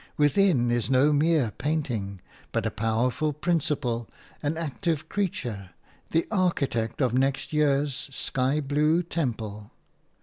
Within is no mere painting, but a powerful principle, an active creature, the architect of next year's sky blue temple.